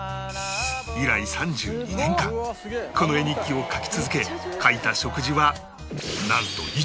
以来３２年間この絵日記を描き続け描いた食事はなんと１万食以上